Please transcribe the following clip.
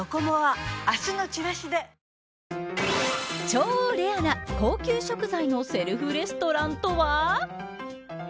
超レアな高級食材のセルフレストランとは。